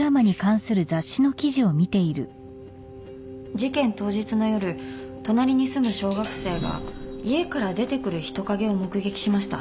事件当日の夜隣に住む小学生が家から出てくる人影を目撃しました。